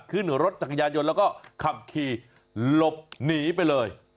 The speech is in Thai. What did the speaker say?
ขึ้นรถจักรยานยนต์แล้วก็ขับขี่หลบหนีไปเลย